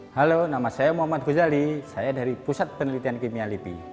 halo nama saya muhammad guzali saya dari pusat penelitian kimia lipi